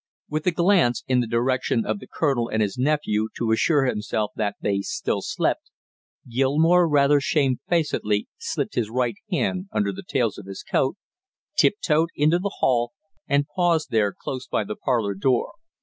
With a glance in the direction of the colonel and his nephew to assure himself that they still slept, Gilmore rather shamefacedly slipped his right hand under the tails of his coat, tiptoed into the hall and paused there close by the parlor door.